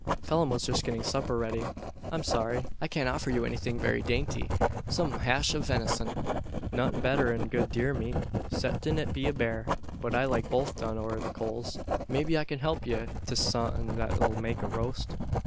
Phelim was just getting supper ready. I'm sorry I can't offer you anything very dainty some hash of venison." "Nothin' better 'n good deermeat, 'ceptin it be baar; but I like both done over the coals. Maybe I can help ye to some'at thet'll make a roast.